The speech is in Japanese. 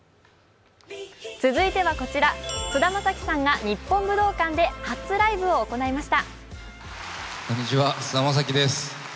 続いてはこちら、菅田将暉さんが日本武道館で初ライブを行いました。